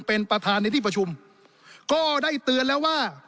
เป็นประธานในที่ประชุมก็ได้เตือนแล้วว่า